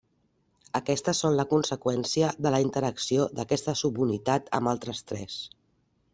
Aquestes són la conseqüència de la interacció d'aquesta subunitat amb altres tres.